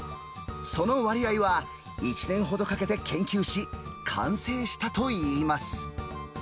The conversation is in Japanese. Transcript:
その割合は１年ほどかけて研究し、完成したといいます。